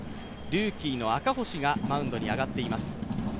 ルーキーの赤星がマウンドに上がっています。